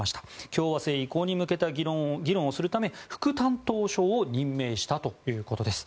共和制移行に向けた議論をするため副担当相を任命したということです。